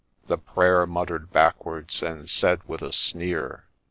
The prayer mutter'd backwards, and said with a sneer